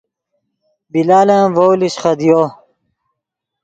بلالن ڤؤ لیشچ خدیو